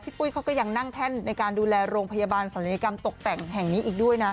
ปุ้ยเขาก็ยังนั่งแท่นในการดูแลโรงพยาบาลศัลยกรรมตกแต่งแห่งนี้อีกด้วยนะ